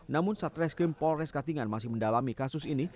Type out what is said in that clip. namun satreskrim polres katingan masih mendalami kasus ini